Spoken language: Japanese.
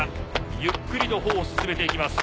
ゆっくりと歩を進めていきます。